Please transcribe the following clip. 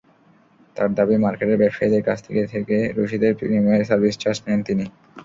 তাঁর দাবি, মার্কেটের ব্যবসায়ীদের কাছ থেকে রসিদের বিনিময়ে সার্ভিস চার্জ নেন তিনি।